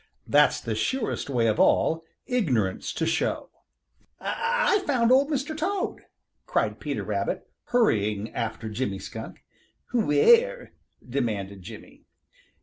That's the surest way of all Ignorance to show. "I've found Old Mr. Toad!" cried Peter Rabbit, hurrying after Jimmy Skunk. "Where?" demanded Jimmy.